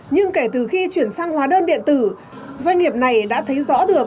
nhưng kể từ khi chuyển sang hóa đơn điện tử doanh nghiệp này đã thấy rõ được